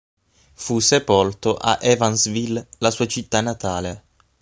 Fu sepolto a Evansville, la sua città natale.